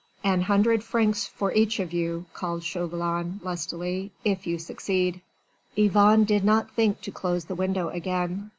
"An hundred francs for each of you," called Chauvelin lustily, "if you succeed." Yvonne did not think to close the window again.